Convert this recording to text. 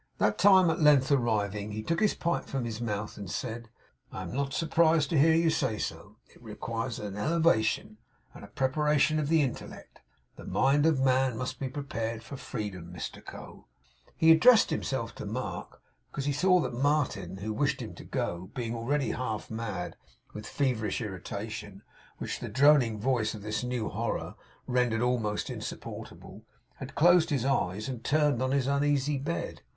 That time at length arriving, he took his pipe from his mouth, and said: 'I am not surprised to hear you say so. It re quires An elevation, and A preparation of the intellect. The mind of man must be prepared for Freedom, Mr Co.' He addressed himself to Mark; because he saw that Martin, who wished him to go, being already half mad with feverish irritation, which the droning voice of this new horror rendered almost insupportable, had closed his eyes, and turned on his uneasy bed.